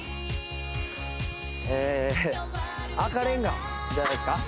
え赤レンガじゃないすか？